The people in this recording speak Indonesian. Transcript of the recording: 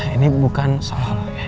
ini bukan salah lo kay